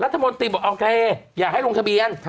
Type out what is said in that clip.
รัฐมนตรีบอกโอเคอยากให้ลงทะเบียน